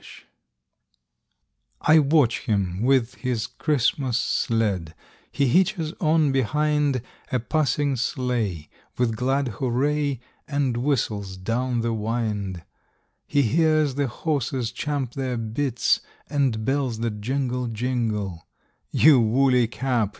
] I watch him, with his Christmas sled; He hitches on behind A passing sleigh, with glad hooray, And whistles down the wind; He hears the horses champ their bits, And bells that jingle jingle You Woolly Cap!